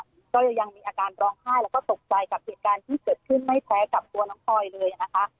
ก็ยังมีอาการร้องไห้แล้วก็ตกใจกับเหตุการณ์ที่เกิดขึ้นไม่แพ้กับตัวน้องพลอยเลยนะคะ